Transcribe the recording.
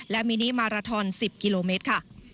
และมินิมาราทอน๑๐กิโลเมตรค่ะ